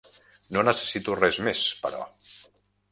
No necessito res més, però.